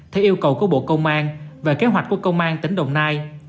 theo yêu cầu của bộ công an và kế hoạch của công an tỉnh đồng nai